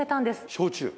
焼酎。